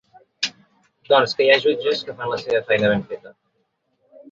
Doncs que hi ha jutges que fan la seva feina ben feta.